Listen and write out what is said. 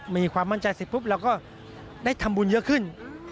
มีความมั่นใจเสร็จปุ๊บเราก็ได้ทำบุญเยอะขึ้น